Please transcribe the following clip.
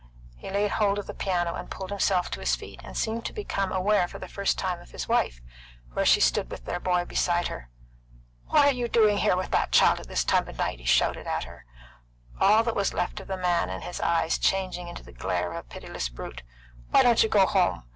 He laid hold of the piano and pulled himself to his feet, and seemed to become aware, for the first time, of his wife, where she stood with their boy beside her. "What you doing here with that child at this time of night?" he shouted at her, all that was left of the man in his eyes changing into the glare of a pitiless brute. "Why don't you go home?